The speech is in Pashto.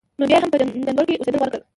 نو بیا یې هم په جندول کې اوسېدل غوره کړل.